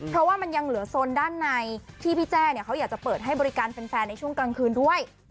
เพราะว่ามันยังเหลือโซนด้านในที่พี่แจ้เขาอยากจะเปิดให้บริการแฟนในช่วงกลางคืนด้วย